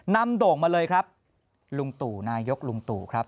โด่งมาเลยครับลุงตู่นายกลุงตู่ครับ